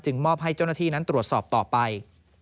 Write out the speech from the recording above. มอบให้เจ้าหน้าที่นั้นตรวจสอบต่อไป